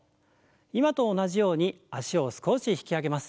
今と同じように脚を少し引き上げます。